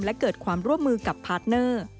และเกิดความร่วมมือกับพาร์ทเนอร์